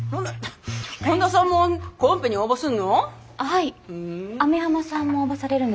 本田さんもコンペに応募すんの？